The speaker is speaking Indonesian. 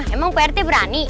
emang prt berani